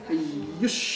よし！